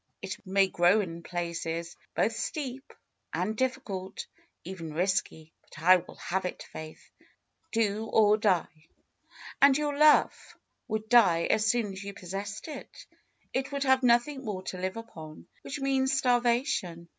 ^Ht may grow in places both steep and difficult, even risky, but I will have it. Faith, do or die." ^^And your love would die as soon as you possessed it. It would have nothing more to live upon, which means starvation.